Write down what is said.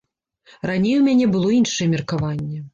Раней у мяне было іншае меркаванне.